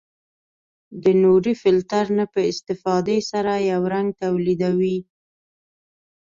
د نوري فلټر نه په استفادې سره یو رنګ تولیدوي.